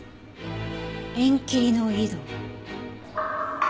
縁切りの井戸。